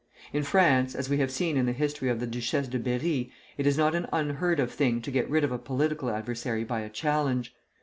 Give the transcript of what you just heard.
In France, as we have seen in the history of the Duchesse de Berri, it is not an unheard of thing to get rid of a political adversary by a challenge.